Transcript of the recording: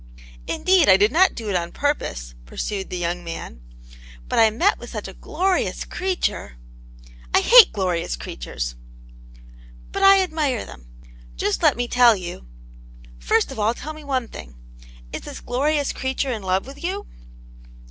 "Indeed, I did not do it on purpose," pursued the young man, " But I met with such a glorious creature "" I hate glorious creatures !" "But I admire them. Just let me tell you ^\ Aunt Jofte's Hero, 3 " First of all tell me one thing. Is this glorious creature in love with you